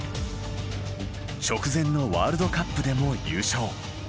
直前のワールドカップでも優勝。